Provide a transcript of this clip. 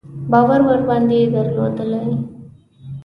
باور ورباندې درلودلی دی.